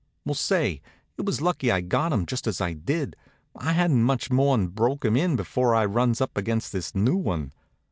Well, say, it was lucky I got him just as I did. I hadn't much more'n broke him in before I runs up against this new one.